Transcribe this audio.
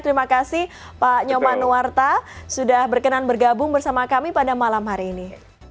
terima kasih pak nyoman nuwarta sudah berkenan bergabung bersama kami pada malam hari ini